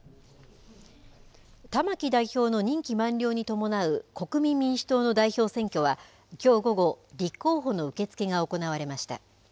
玉木代表の任期満了に伴う国民民主党の代表選挙はきょう午後立候補の受け付けが行われました。